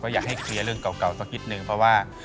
อยากให้เคลียร์เรื่องเก่าสักนิดนึงเพราะว่า